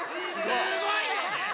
すごいよね。